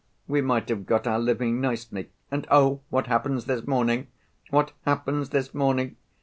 We might have got our living nicely. And, oh! what happens this morning? what happens this morning?